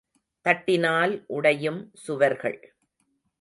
தட்டினால் உடையும் சுவர்கள்.